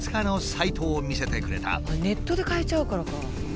ネットで買えちゃうからか。